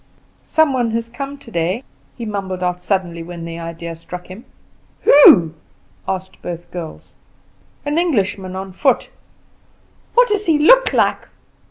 "Some one has come today," he mumbled out suddenly, when the idea struck him. "Who?" asked both girls. "An Englishman on foot." "What does he look like?"